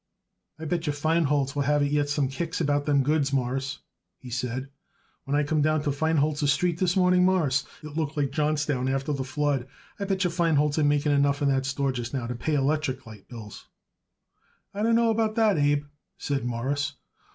"I bet yer Feinholz will have yet some kicks about them goods, Mawruss," he said. "When I come down Feinholz's street this morning, Mawruss, it looked like Johnstown after the flood. I bet yer Feinholz ain't making enough in that store just now to pay electric light bills." "I don't know about that, Abe," said Morris.